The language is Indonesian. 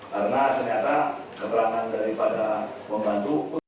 karena ternyata keberadaan